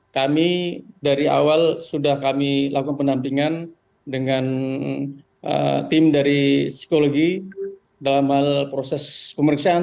kami dari awal sudah kami lakukan penampingan dengan tim dari psikologi dalam hal proses pemeriksaan